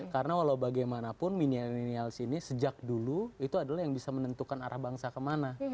karena walau bagaimanapun millennials ini sejak dulu itu adalah yang bisa menentukan arah bangsa kemana